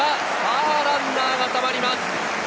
さぁランナーがたまります。